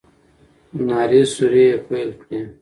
نارې سورې يې پيل کړې.